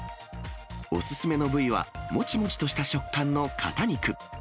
お勧めの部位は、もちもちとした食感の肩肉。